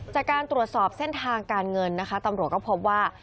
จากการตรวจสอบเส้นทางการเงินนะคะตำรวจก็พบว่า